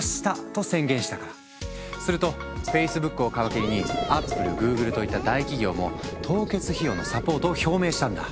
するとＦａｃｅｂｏｏｋを皮切りにＡｐｐｌｅＧｏｏｇｌｅといった大企業も凍結費用のサポートを表明したんだ。